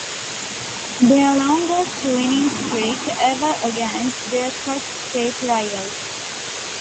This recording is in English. Their longest winning streak ever against their cross-state rivals.